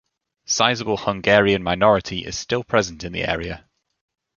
Sizable Hungarian minority is still present in the area.